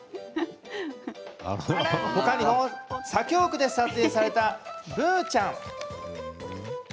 他にも、左京区で撮影されたブーちゃん。